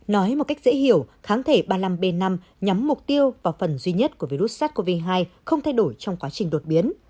nói một cách dễ hiểu kháng thể ba mươi năm b năm nhắm mục tiêu vào phần duy nhất của virus sars cov hai không thay đổi trong quá trình đột biến